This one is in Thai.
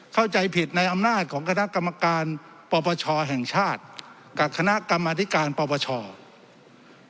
เข้าใจผิดในอำนาจของคณะกรรมการปปชแห่งชาติกับคณะกรรมธิการปปช